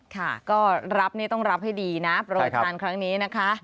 ค่ะก็รับนี่ต้องรับให้ดีนะโปรยทานครั้งนี้นะคะ